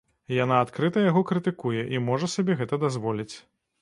Яна адкрыта яго крытыкуе і можа сабе гэта дазволіць.